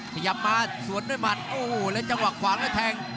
ขยับมาสวนด้วยหมัดโอ้โหแล้วจังหวะขวางแล้วแทง